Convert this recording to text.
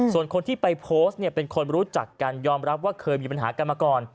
ส่วนคนที่ไปโพสต์เนี่ยเป็นคนรู้จักกันยอมรับว่าเคยมีปัญหากันมาก่อน